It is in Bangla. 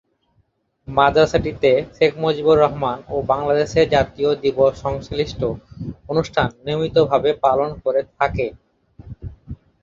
মাদ্রাসাটি শেখ মুজিবুর রহমান ও বাংলাদেশের জাতীয় দিবস সংশ্লিষ্ট অনুষ্ঠান নিয়মিতভাবে পালন করে থাকে।